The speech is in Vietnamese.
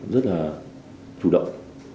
rất là chủ động